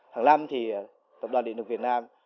tháng năm thì tổng đoàn địa lực việt nam